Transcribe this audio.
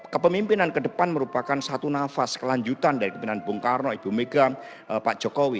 kepemimpinan ke depan merupakan satu nafas kelanjutan dari kepemimpinan bung karno ibu mega pak jokowi